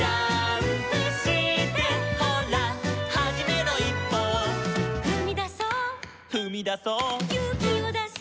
「ほらはじめのいっぽを」「ふみだそう」「ふみだそう」「ゆうきをだして」